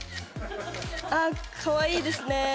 あっいいですね